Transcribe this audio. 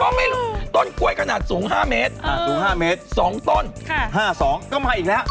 ก็ไม่รู้ต้นกล้วยขนาดสูง๕เมตรสูง๕เมตร๒ต้น๕๒ก็มาอีกแล้ว